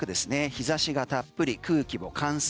日差しがたっぷり、空気も乾燥。